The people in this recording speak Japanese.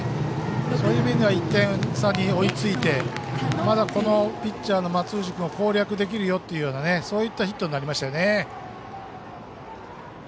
そういう意味では１点差に追いついてまだこのピッチャーの松藤君は攻略できるよというヒットになりましたね。